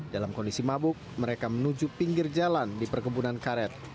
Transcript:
dalam kondisi mabuk mereka menuju pinggir jalan di perkebunan karet